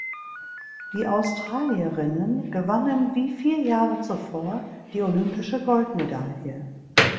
Die Australierinnen gewannen wie vier Jahre zuvor die olympische Goldmedaille.